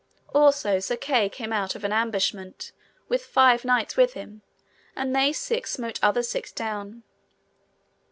Also Sir Kay came out of an ambushment with five knights with him, and they six smote other six down.